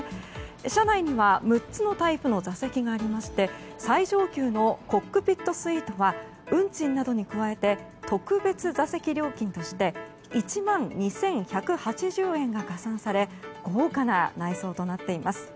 車内には６つのタイプの座席がありまして最上級のコックピットスイートは運賃などに加えて特別座席料金として１万２１８０円が加算され豪華な内装となっています。